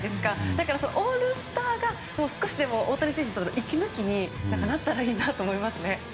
だから、オールスターが少しでも大谷選手の息抜きになったらいいなと思いますね。